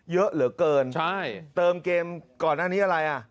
เยอะเหลือเกินใช่เติมเกมก่อนหน้านี้อะไรอ่ะ